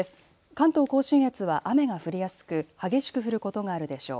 関東甲信越は雨が降りやすく激しく降ることがあるでしょう。